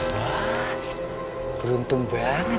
wah beruntung banget